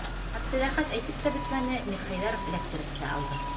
- Әптеләхәт әйтеп тә бөтмәне, Мирхәйҙәров эләктереп тә алды.